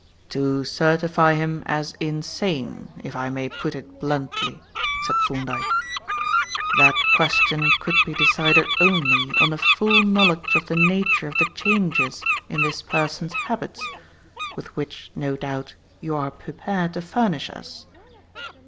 "To certify him as insane, if I may put it bluntly," said Thorndyke. "That question could be decided only on a full knowledge of the nature of the changes in this person's habits, with which, no doubt, you are prepared to furnish us.